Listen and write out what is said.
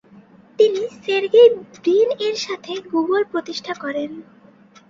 তিনি Sergey Brin এর সাথে গুগল প্রতিষ্ঠা করেন।